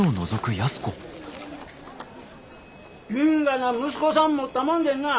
因果な息子さん持ったもんでんなあ。